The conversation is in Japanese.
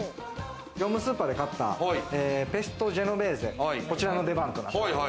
業務スーパーで買ったペストジェノベーゼ、こちらの出番となります。